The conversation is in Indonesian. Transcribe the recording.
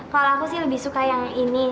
kalau aku sih lebih suka yang ini